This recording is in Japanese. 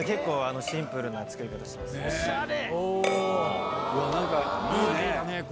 シンプルな使い方してますね。